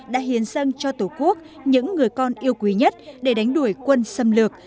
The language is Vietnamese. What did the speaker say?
đã hiến dâng cho tổ quốc những người con yêu quý nhất để đánh đuổi quân xâm lược